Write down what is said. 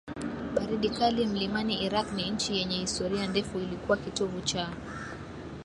baridi kali mlimaniIraq ni nchi yenye historia ndefu ilikuwa kitovu cha